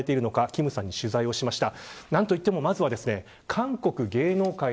金さんに取材をしました。